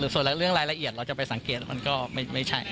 ส่วนเรื่องรายละเอียดเราจะไปสังเกตมันก็ไม่ใช่